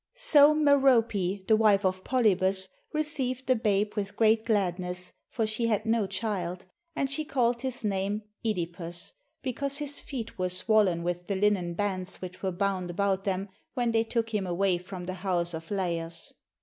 So Merope the wife of Polybus, received the babe with great gladness, for she had no child; and she called his name (Edipus, because his feet were swollen with the Hnen bands which were bound about them when they took him away from the house of Laios.